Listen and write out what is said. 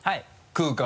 空間。